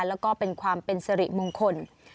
แล้วก็เป็นความเป็นสิริมงคล